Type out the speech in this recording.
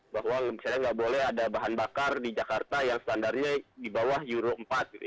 bahwa misalnya nggak boleh ada bahan bakar di jakarta yang standarnya di bawah euro empat